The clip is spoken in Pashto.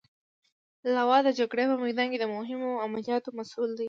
لوا د جګړې په میدان کې د مهمو عملیاتو مسئول دی.